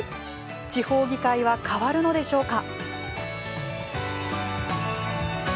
地方議会は変わるのでしょうか。